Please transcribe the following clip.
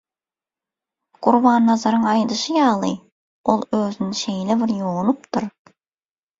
Gurbannazaryň aýdyşy ýaly, ol özüni şeýle bir ýonupdyr